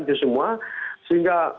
itu semua sehingga